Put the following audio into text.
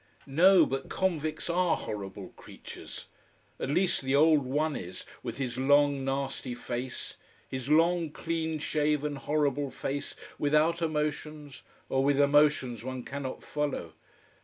No, but convicts are horrible creatures: at least, the old one is, with his long, nasty face: his long, clean shaven, horrible face, without emotions, or with emotions one cannot follow.